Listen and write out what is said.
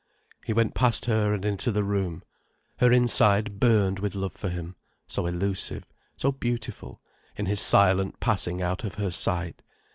He went past her and into the room. Her inside burned with love for him: so elusive, so beautiful, in his silent passing out of her sight.